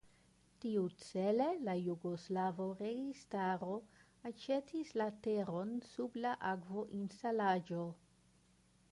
Tiucele la jugoslava registaro aĉetis la teron sub la akvoinstalaĵo.